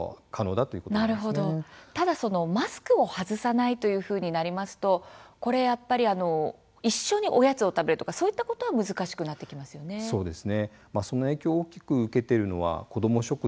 ただそのマスクを外さないということになりますと一緒におやつを食べるとかそういうことは難しくなってきますよね。